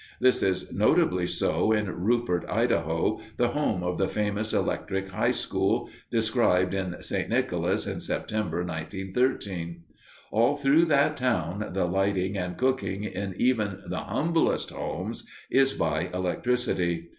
This is notably so in Rupert, Idaho, the home of the famous electric high school, described in "St. Nicholas" in September, 1913. All through that town the lighting and cooking in even the humblest homes is by electricity.